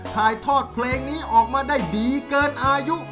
ถ่ายทอดเพลงนี้ออกมาได้ดีเกินอายุ